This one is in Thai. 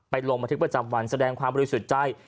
ไปลงอาทิตย์ประจำวันแสดงความรู้สึกใจ